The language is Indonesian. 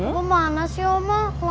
lu mana sih mama